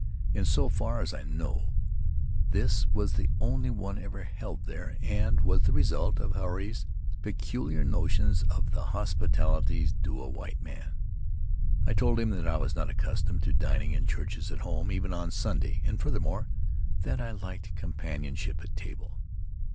In so far as I know, this was the only one ever held there and was the result of Huirai's peculiar notions of the hospitality due a white man. I told him that I was not accustomed to dining in churches at home, even on Sunday, and, furthermore, that I liked companionship at table.